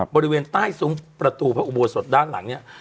บริเวณใต้ซุงประตูพระอุบัติศาสน์ด้านหลังเนี้ย